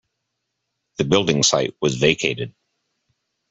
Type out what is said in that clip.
The building site was vacated.